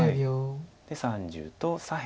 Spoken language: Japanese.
で３０と左辺。